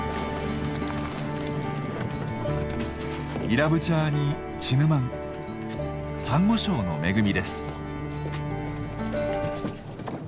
イラブチャーにチヌマンサンゴ礁の恵みです。